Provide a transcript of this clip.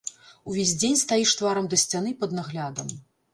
Увесь дзень стаіш тварам да сцяны пад наглядам.